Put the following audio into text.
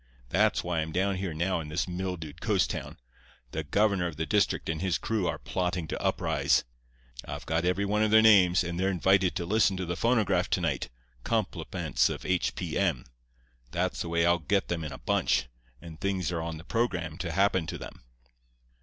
That's why I'm down here now in this mildewed coast town. The governor of the district and his crew are plotting to uprise. I've got every one of their names, and they're invited to listen to the phonograph to night, compliments of H. P. M. That's the way I'll get them in a bunch, and things are on the programme to happen to them.